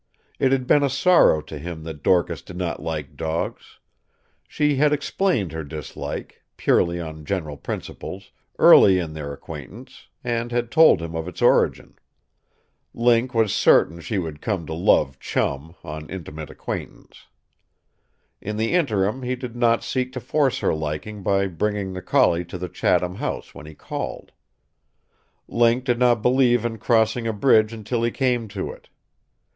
It had been a sorrow to him that Dorcas did not like dogs. She had explained her dislike purely on general principles early in their acquaintance, and had told him of its origin. Link was certain she would come to love Chum, on intimate acquaintance. In the interim he did not seek to force her liking by bringing the collie to the Chatham house when he called. Link did not believe in crossing a bridge until he came to it.